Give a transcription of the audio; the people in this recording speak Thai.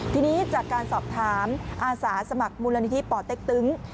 ทีนี้จากการสอบถามอาสาสมัครมูลนิธิป่อเต็กตึง